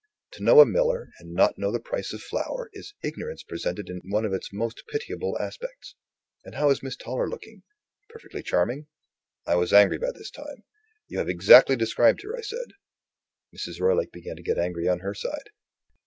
To know a miller, and not to know the price of flour, is ignorance presented in one of its most pitiable aspects. And how is Miss Toller looking? Perfectly charming?" I was angry by this time. "You have exactly described her," I said. Mrs. Roylake began to get angry, on her side.